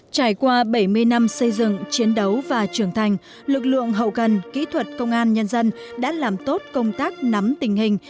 trải qua bảy mươi năm xây dựng chiến đấu và trưởng thành lực lượng hậu cần kỹ thuật công an nhân dân đã làm tốt công tác nắm tình hình